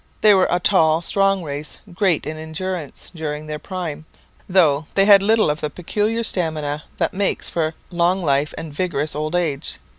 They were a tall, strong race, great in endurance, during their prime, though they had little of the peculiar stamina that makes for long life and vigorous old age.